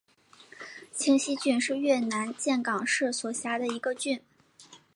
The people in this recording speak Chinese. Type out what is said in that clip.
清溪郡是越南岘港市所辖的一个郡。